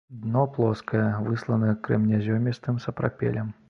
Дно плоскае, выслана крэменязёмістым сапрапелем.